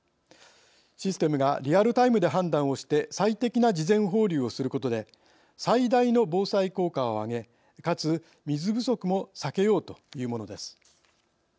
システムがリアルタイムで判断をして最適な事前放流をすることで最大の防災効果をあげかつ、水不足も避けようというものです。